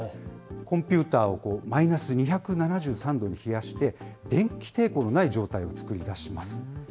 コンピューターをマイナス２７３度に冷やして、電気抵抗のない状態を作り出します。